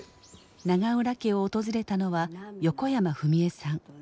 永浦家を訪れたのは横山フミエさん。